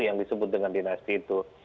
yang disebut dengan dinasti itu